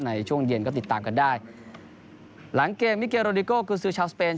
ในช่วงเย็นก็ติดตามกันได้หลังเกมมิเกโรดิโกกุญซือชาวสเปน